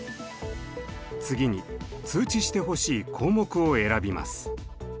次に通知してほしい項目を選びます。